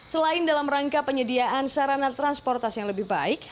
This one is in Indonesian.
selain dalam rangka penyediaan sarana transportasi yang lebih baik